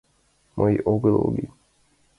Мый огыл гын...